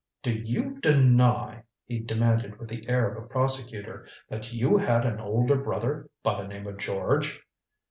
"Do you deny," he demanded with the air of a prosecutor, "that you had an older brother by the name of George?"